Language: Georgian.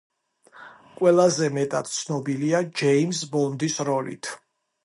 ყველაზე მეტად ცნობილია ჯეიმზ ბონდის როლით.